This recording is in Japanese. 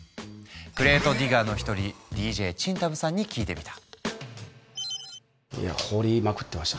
クレートディガーの一人ＤＪＣＨＩＮＴＡＭさんに聞いてみた。